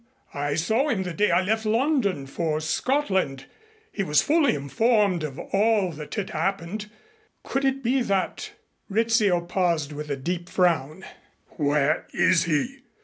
I saw him the day I left London for Scotland. He was fully informed of all that had happened. Could it be that " Rizzio paused with a deep frown. "Where is he?